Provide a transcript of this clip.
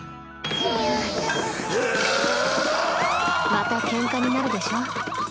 またケンカになるでしょ。